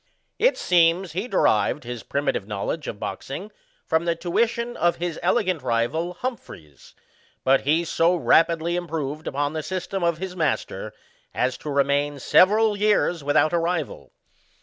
It seems, he derived his primitive knowledge of boxing from the tuition of his elegant rival Humphreys; but he so rapidly improved upon the system of his master, as to remain several years without a rival.